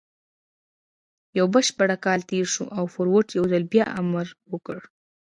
يو بشپړ کال تېر شو او فورډ يو ځل بيا امر وکړ.